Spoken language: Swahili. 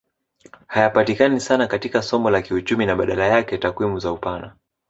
Hayapatikani sana katika somo la kiuchumi na badala yake takwimu za upana